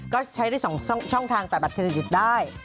ก็ใช้ได้๒ช่องทางแต่บัตรเครดิตได้